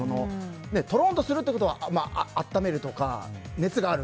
とろんとするってことは温めるとか熱がある。